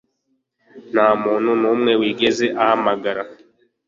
ntamuntu numwe wigeze ahamagara